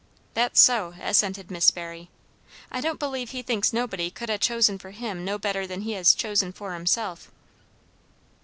"That's so!" assented Miss Barry. "I don't believe he thinks nobody could ha' chosen for him no better than he has chosen for himself."